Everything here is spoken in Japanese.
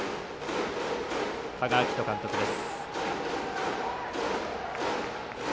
多賀章仁監督です。